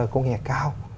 công nghệ cao